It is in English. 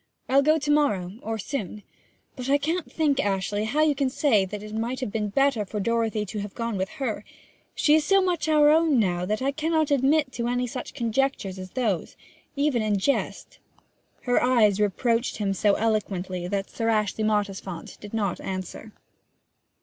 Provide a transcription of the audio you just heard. I'll go to morrow, or soon ... But I can't think, Ashley, how you can say that it might have been better for Dorothy to have gone to her; she is so much our own now that I cannot admit any such conjectures as those, even in jest.' Her eyes reproached him so eloquently that Sir Ashley Mottisfont did not answer.